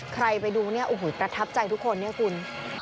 ใครไปดูนี่ประทับใจทุกคนนี่คุณ